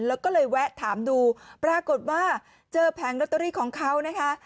แล้วก็เลยแวะถามดูปรากฏว่าเจอแผงลอตเตอรี่ของเขานะคะ